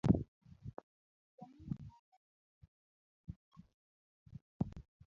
Jamii oganda nyiero Kembo omaki.